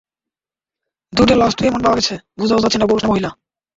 দুইটা লাশ তো এমন পাওয়া গেছে, বোঝাও যাচ্ছে না পুরুষ না মহিলা।